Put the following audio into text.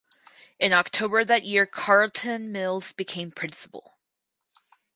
In October of that year Carlton Mills became principal.